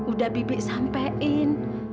udah bibik sampein